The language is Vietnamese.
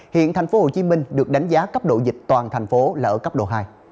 hiện tp hcm được đánh giá cấp độ dịch toàn thành phố là ở cấp độ hai